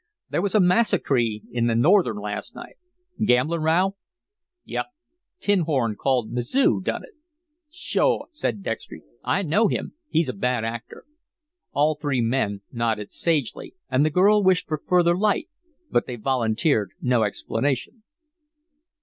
"There was a massacree in the Northern last night." "Gamblin' row?" "Yep. Tin horn called 'Missou' done it." "Sho!" said Dextry. "I know him. He's a bad actor." All three men nodded sagely, and the girl wished for further light, but they volunteered no explanation.